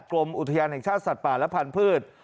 กรมอุทยานแห่งชาติสัตว์ป่าและพันธุ์